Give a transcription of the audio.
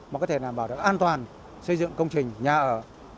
mà có thể bảo đảm an toàn xây dựng công trình nhà ở